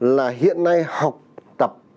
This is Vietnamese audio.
là hiện nay học tập